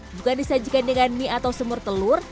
bukan disajikan dengan mie atau sumur telur